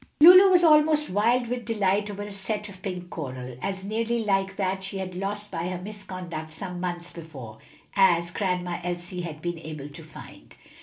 Lulu was almost wild with delight over a set of pink coral, as nearly like that she had lost by her misconduct some months before, as Grandma Elsie had been able to find.